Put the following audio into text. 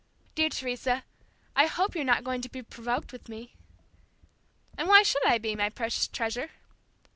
Dear Teresa, I hope you're not going to be provoked with me." "And why should I be, my precious treasure?"